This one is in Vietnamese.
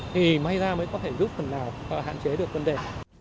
thì may ra mới có thể giúp phần nào hạn chế được vấn đề